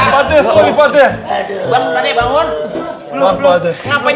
belum diapa main mende belum diapa main